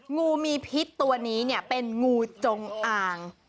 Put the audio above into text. งูมีพิษตัวนี้เป็นงูจงอ่าง